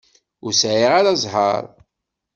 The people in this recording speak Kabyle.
Ur sɛiɣ ara zzheṛ.